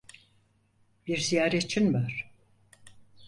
Bir ziyaretçin var.